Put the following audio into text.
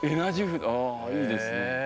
ああいいですね。